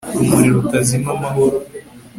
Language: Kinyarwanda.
rumuri rutazima, mahoro